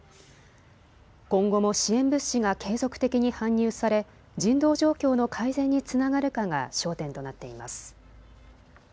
今後も支援物資が継続的に搬入され人道状況の改善につながるかが焦点となっています。